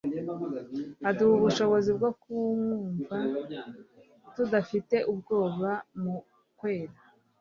aduha ubushobozi bwo kumwumva tudafite ubwoba mu kwera